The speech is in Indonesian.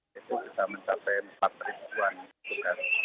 dan setelah itu kita mencapai empat an petugas